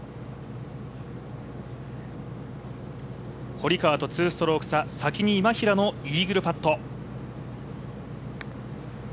堀川と２ストローク差、先に今平のイーグルパット。